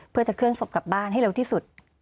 เพื่อจะเคลื่อนศพกลับบ้านให้เร็วที่สุด